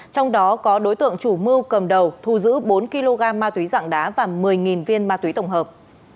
trong đó có đối tượng chủ mưu cầm đầu thu giữ bốn kg ma túy dạng đá và một mươi viên ma túy tổng hợp